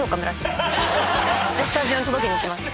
でスタジオに届けに来ます。